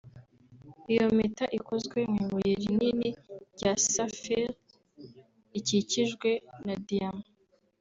Iyo mpeta ikozwe mu ibuye rinini rya saphir rikikijwe na diyama